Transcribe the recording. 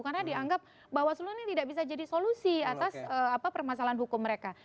karena dianggap bawaslu ini tidak bisa jadi solusi atas permasalahan hukum mereka